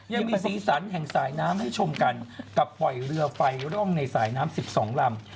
ยังมีสีสันแห่งสายน้ำให้ชมกันกับปล่อยเรือไฟร่องในสายน้ำ๑๒ลำ